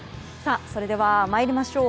それでは参りましょう。